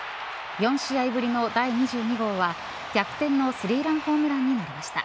４試合ぶりの第２２号は逆転のスリーランホームランになりました。